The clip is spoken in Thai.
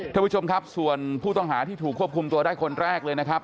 ท่านผู้ชมครับส่วนผู้ต้องหาที่ถูกควบคุมตัวได้คนแรกเลยนะครับ